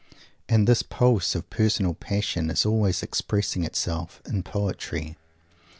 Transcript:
And this pulse of personal passion is always expressing itself in Poetry.